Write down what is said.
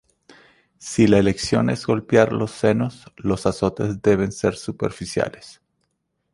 Si la elección es golpear los senos, los azotes deben ser superficiales.